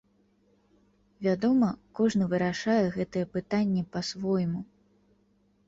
Вядома, кожны вырашае гэтае пытанне па-свойму.